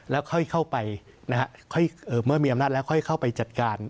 แล้วค่อยเข้าไปนะฮะเมื่อมีอำนาจแล้วค่อยเข้าไปจัดการ